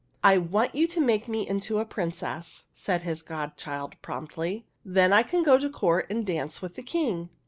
" I want you to make me into a princess," said his godchild, promptly. " Then I can go to court and dance with the King